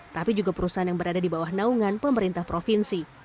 tapi juga perusahaan yang berada di bawah naungan pemerintah provinsi